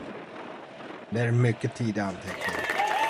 Det är en mycket tidig anteckning.